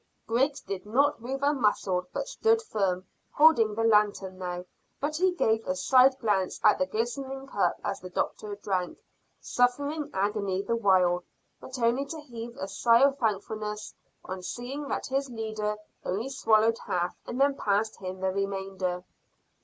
Griggs did not move a muscle, but stood firm, holding the lanthorn now; but he gave a side glance at the glistening cup as the doctor drank, suffering agony the while, but only to heave a sigh of thankfulness on seeing that his leader only swallowed half and then passed him the remainder.